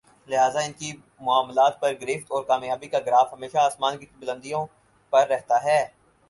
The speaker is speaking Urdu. لہذا انکی معاملات پر گرفت اور کامیابی کا گراف ہمیشہ آسمان کی بلندیوں پر رہتا ہے